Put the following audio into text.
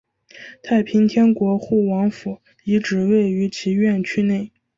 太平天国护王府遗址位于其院区内。